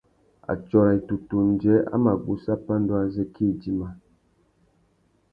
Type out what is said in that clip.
Atsôra itutu undjê a mà gussa pandú azê kā idjima.